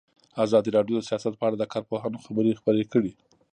ازادي راډیو د سیاست په اړه د کارپوهانو خبرې خپرې کړي.